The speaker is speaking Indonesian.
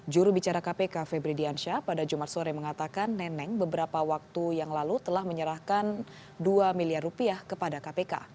juru bicara kpk febri diansyah pada jumat sore mengatakan neneng beberapa waktu yang lalu telah menyerahkan dua miliar rupiah kepada kpk